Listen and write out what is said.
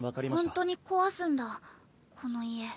ほんとに壊すんだこの家。